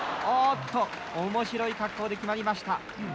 おもしろい格好で決まりました。